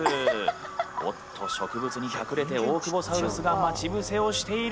おっと植物に隠れてオオクボサウルスが待ち伏せをしている。